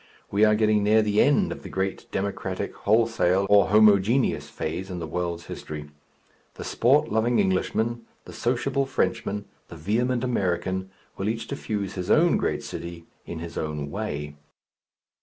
We are getting near the end of the great Democratic, Wholesale, or Homogeneous phase in the world's history. The sport loving Englishman, the sociable Frenchman, the vehement American will each diffuse his own great city in his own way.